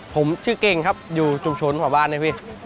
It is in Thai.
ผมชื่อเก่งครับอยู่ชุมชนแถวบ้านนะพี่